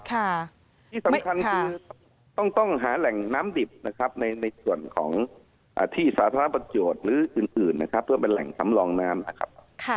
ที่สำคัญคือต้องหาแหล่งน้ำดิบนะครับในส่วนของที่สาธารณประโยชน์หรืออื่นนะครับเพื่อเป็นแหล่งสำรองน้ำนะครับ